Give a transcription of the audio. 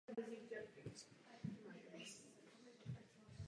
Celkem byly postaveny čtyři raketové čluny této třídy.